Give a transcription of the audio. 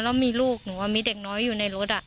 แล้วมีลูกหนูมีเด็กน้อยอยู่ในรถ